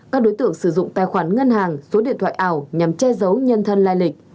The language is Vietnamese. các đối tượng sử dụng tài khoản ngân hàng số điện thoại ảo nhằm che giấu nhân thân lai lịch